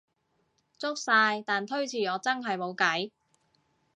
足晒，但推遲我真係無計